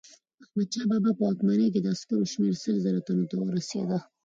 د احمدشاه بابا په واکمنۍ کې د عسکرو شمیر سل زره تنو ته رسېده.